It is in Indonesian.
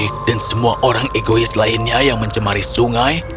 ee dan semua orang egois lainnya yang mencemari sungai